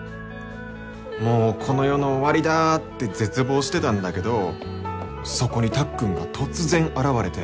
もうこの世の終わりだって絶望してたんだけどそこにたっくんが突然現れて。